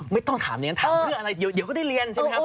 ไม่ต้องถามอย่างนั้นถามเพื่ออะไรเดี๋ยวก็ได้เรียนใช่ไหมครับ